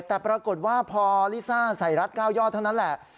แต่ปรากฏว่าพอลิซ่าใส่รัฐ๙ยอดเท่านั้นแหละ